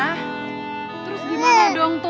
terus gimana dong